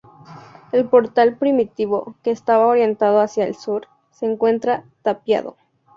El portal primitivo, que estaba orientado hacia el sur, se encuentra tapiado.